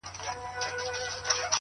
چي دولت لري صاحب د لوړ مقام دي,